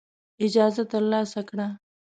اجازه ترلاسه کړه.